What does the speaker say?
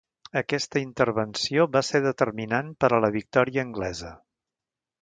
Aquesta intervenció va ser determinant per a la victòria anglesa.